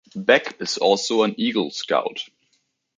Beck is also an Eagle Scout.